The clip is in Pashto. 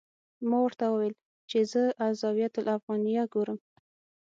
ما ورته وویل چې زه الزاویة الافغانیه ګورم.